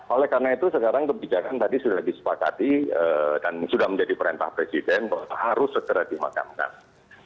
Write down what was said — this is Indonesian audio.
oleh karena itu sekarang kebijakan tadi sudah disepakati dan sudah menjadi perintah presiden bahwa harus segera dimakamkan